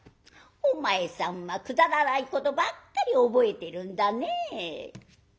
「お前さんはくだらないことばっかり覚えてるんだねえ」。